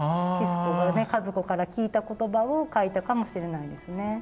シスコがね和子から聞いた言葉を書いたかもしれないんですね。